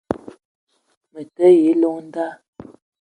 Me te yi llong nda